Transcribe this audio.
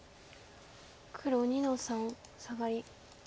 黒２の三サガリ。